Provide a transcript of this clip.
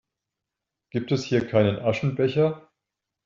Gibt es hier keinen Aschenbecher?